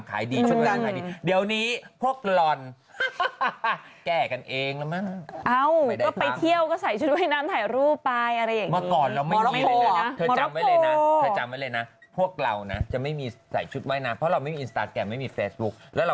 พี่เมย์มีคนถามว่าพี่เมย์ไปญี่ปุ่นใคร